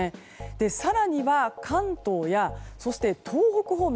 更には、関東や東北方面。